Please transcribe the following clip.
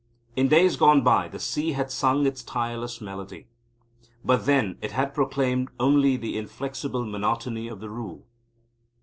In days gone by the sea had sung its tireless melody. But, then, it had proclaimed only the inflexible monotony of the Rule.